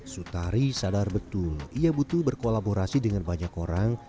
sutari sadar betul ia butuh berkolaborasi dengan banyak orang